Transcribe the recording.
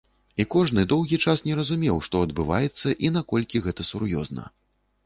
І кожны доўгі час не разумеў, што адбываецца і наколькі гэта сур'ёзна.